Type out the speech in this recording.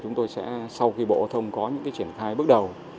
chúng tôi sẽ sau khi bộ âu thông có những triển khai bước đầu